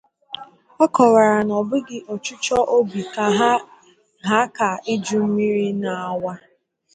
Ọ kọwara na ọ bụghị ọchịchọ obi ha ka iju mmiri na-awa